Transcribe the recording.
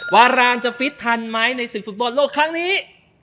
วารานจะฟิตทันไหมในศึกฟุตบอลโลกครั้งนี้